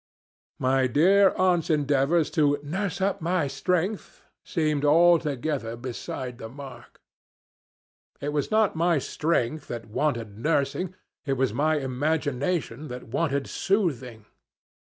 My dear aunt's endeavors to 'nurse up my strength' seemed altogether beside the mark. It was not my strength that wanted nursing, it was my imagination that wanted soothing.